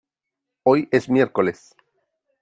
Hoy es miércoles.